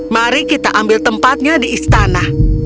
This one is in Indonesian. mari kita ambil tempatnya di istana